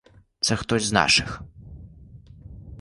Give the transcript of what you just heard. Це хтось з наших.